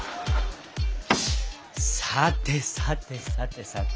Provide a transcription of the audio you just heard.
さてさてさてさて。